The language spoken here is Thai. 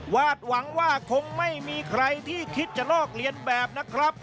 หวังว่าคงไม่มีใครที่คิดจะลอกเลียนแบบนะครับ